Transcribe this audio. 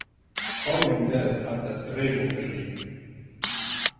Rowling selbst hat das Drehbuch geschrieben.